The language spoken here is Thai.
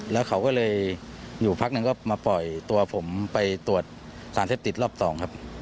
แล้วเขาก็เลยอยู่พักนึงก็มาปล่อยตัวผมไปตรวจสารเสพติดรอบสองครับ